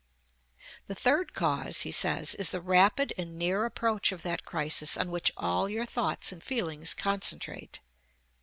The third cause, he says, "is the rapid and near approach of that crisis on which all your thoughts and feelings concentrate."